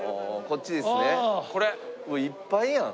いっぱいやん！